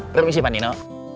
permisi pak nino